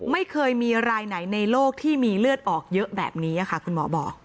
ไม่เคยมีรายไหนในโลกที่มีเลือดออกเยอะแบบนี้ค่ะคุณหมอบอก